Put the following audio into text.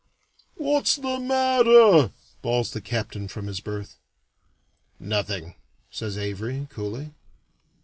"What's the matter?" bawls the captain from his berth. "Nothing," says Avary, coolly.